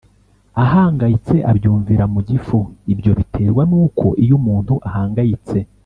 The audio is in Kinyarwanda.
ahangayitse abyumvira mu gifu Ibyo biterwa n uko iyo umuntu ahangayitse